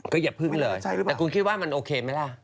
ก็อย่าพึ่งเลยแต่คุณคิดว่ามันโอเคไหมล่ะ